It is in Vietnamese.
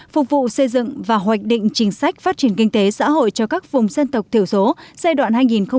phục vụ xây dựng và hoạch định chính sách phát triển kinh tế xã hội cho các vùng dân tộc thiểu số giai đoạn hai nghìn hai mươi một hai nghìn ba mươi